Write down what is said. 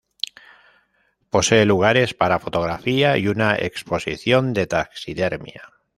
Posee lugares para fotografía y una exposición de taxidermia.